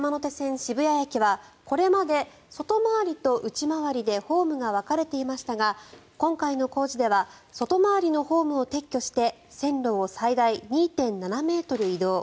渋谷駅はこれまで外回りと内回りでホームが分かれていましたが今回の工事では外回りのホームを撤去して線路を最大２．７ｍ移動。